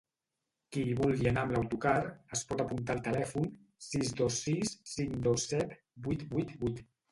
Qui hi vulgui anar amb l’autocar es pot apuntar al telèfon sis dos sis cinc dos set vuit vuit vuit.